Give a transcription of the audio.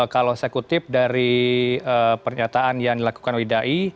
kalau saya kutip dari pernyataan yang dilakukan widai ⁇